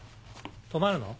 泊まるの？